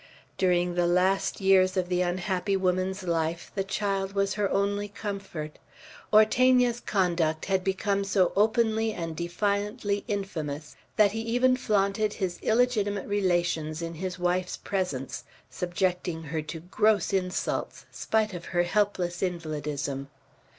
During the last years of the unhappy woman's life the child was her only comfort. Ortegna's conduct had become so openly and defiantly infamous, that he even flaunted his illegitimate relations in his wife's presence; subjecting her to gross insults, spite of her helpless invalidism.